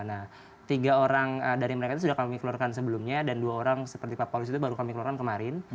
nah tiga orang dari mereka itu sudah kami keluarkan sebelumnya dan dua orang seperti pak paulus itu baru kami keluarkan kemarin